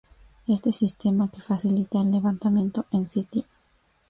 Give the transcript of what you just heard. Este sistema que facilita el levantamiento en sitio.